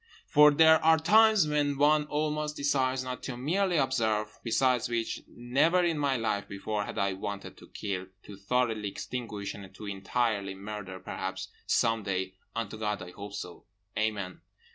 For there are times when one almost decides not to merely observe … besides which, never in my life before had I wanted to kill, to thoroughly extinguish and to entirely murder. Perhaps … some day…. Unto God I hope so. Amen.